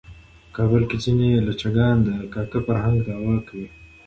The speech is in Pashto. په کابل کې ځینې لچکان د کاکه فرهنګ دعوه کوي.